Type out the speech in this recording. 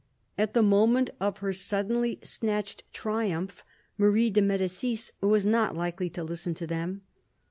At the moment of her suddenly snatched triumph, Marie de Medicis was not likely to listen to them.